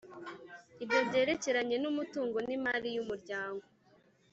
Ibyo byerekeranye n’ umutungo n’ imali y’umuryango